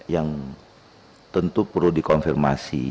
yang tentu perlu dikonfirmasi